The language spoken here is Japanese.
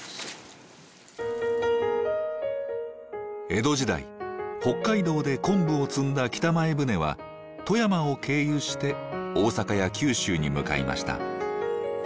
江戸時代北海道で昆布を積んだ北前船は富山を経由して大阪や九州に向かいました。